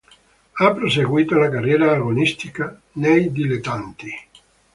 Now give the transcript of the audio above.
Ha proseguito la carriera agonistica nei dilettanti.